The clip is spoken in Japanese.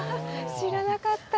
知らなかった